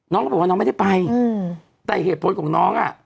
น้องก็บอกว่าน้องไม่ได้ไปแต่เหตุผลของน้องอ่ะ